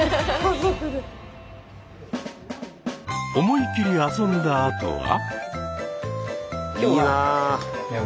思い切り遊んだあとは。